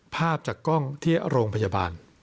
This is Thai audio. ภาพจากกล้องที่โรงพยาบาล